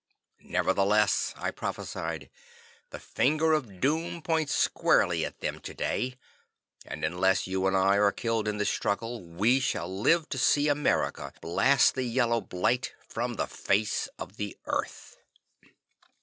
"Nevertheless," I prophesied, "the Finger of Doom points squarely at them today, and unless you and I are killed in the struggle, we shall live to see America blast the Yellow Blight from the face of the Earth."